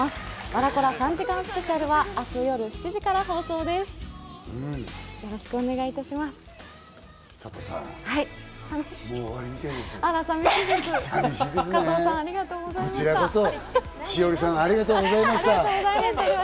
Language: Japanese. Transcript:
『笑コラ３時間スペシャル』は明日夜７時から放送です。